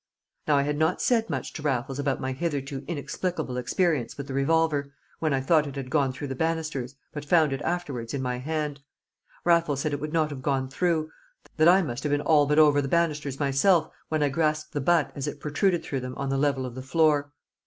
Now I had not said much to Raffles about my hitherto inexplicable experience with the revolver, when I thought it had gone through the banisters, but found it afterwards in my hand. Raffles said it would not have gone through, that I must have been all but over the banisters myself when I grasped the butt as it protruded through them on the level of the floor.